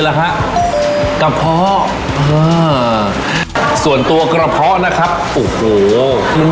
เยอะแหละครับกับพ่อส่วนตัวกระเพาะนะครับโอ้โหมัน